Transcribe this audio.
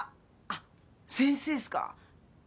あっ先生っすか。